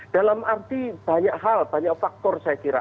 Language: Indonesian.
dalam arti banyak hal banyak faktor saya kira